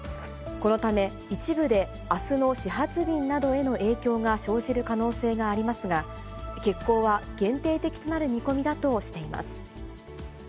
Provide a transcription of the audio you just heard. このため一部であすの始発便などへの影響が生じる可能性がありますが、欠航は限定的となる見込みだとしています。